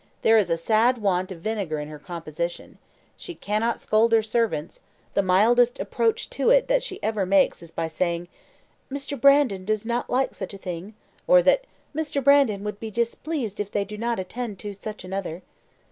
There is a sad want of vinegar in her composition. She cannot scold her servants the mildest approach to it that she ever makes is by saying, 'Mr. Brandon does not like such a thing,' or that 'Mr. Brandon would be displeased if they do not attend to such another.'